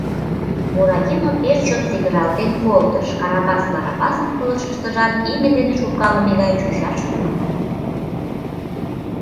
— Буратино пеш чот сигыралтен колтыш, Карабас Барабасын пылышыштыжат име дене шуркалыме гай чучаш тӱҥале.